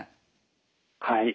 はい。